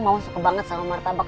mau suka banget sama martabak